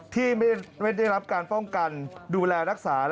ที่ไม่ได้รับการป้องกันดูแลรักษา